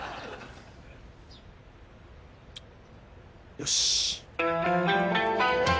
よし！